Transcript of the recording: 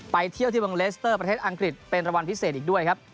เที่ยวที่เมืองเลสเตอร์ประเทศอังกฤษเป็นรางวัลพิเศษอีกด้วยครับ